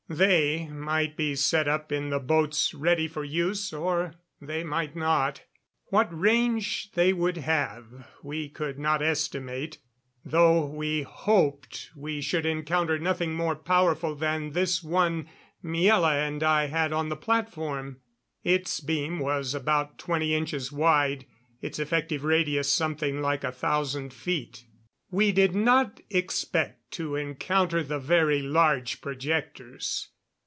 They might be set up in the boats ready for use, or they might not. What range they would have we could not estimate, though we hoped we should encounter nothing more powerful than this one Miela and I had on the platform. Its beam was about twenty inches wide, its effective radius something like a thousand feet. We did not expect to encounter the very large projectors.